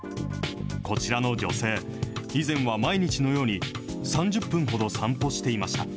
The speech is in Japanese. こちらの女性、以前は毎日のように３０分ほど散歩していました。